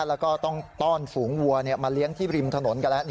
แล้วก็ต้องต้อนฝูงวัวมาเลี้ยงที่ริมถนนกันแล้ว